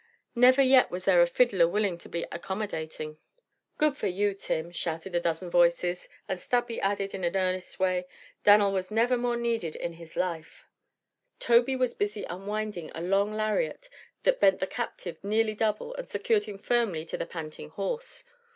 Never yet was there a fiddler willing to be accommodating." "Good for you, Tim!" shouted a dozen voices. And Stubby added in his earnest way; "Dan'l was never more needed in his life." Tobey was busy unwinding a long lariat that bent the captive nearly double and secured him firmly to the panting horse.